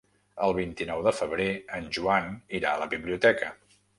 El vint-i-nou de febrer en Joan irà a la biblioteca.